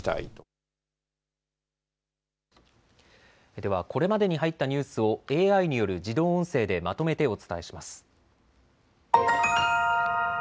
ではこれまでに入ったニュースをＡＩによる自動音声でまとめてお伝えします。